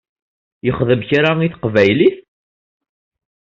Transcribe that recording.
Yexdem kra i teqbaylit?